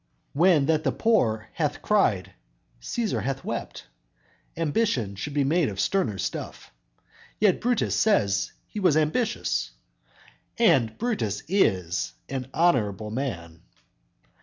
When that the poor hath cried, Cæsar hath wept; Ambition should be made of sterner stuff; Yet Brutus says he was ambitious; And Brutus is an honorable man.